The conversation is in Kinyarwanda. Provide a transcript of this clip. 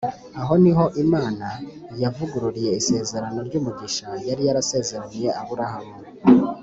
aho ni ho imana yavugururiye isezerano ry’umugisha yari yarasezeraniye aburahamu,